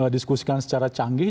diskusikan secara canggih